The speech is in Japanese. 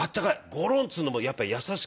ゴロンとするのもやっぱ優しくて。